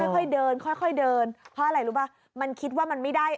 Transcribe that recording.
ค่อยเดินค่อยเดินเพราะอะไรรู้ป่ะมันคิดว่ามันไม่ได้